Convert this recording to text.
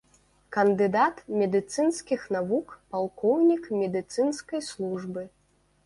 Кандыдат медыцынскіх навук, палкоўнік медыцынскай службы.